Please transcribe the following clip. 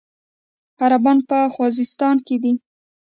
عربان په خوزستان کې دي.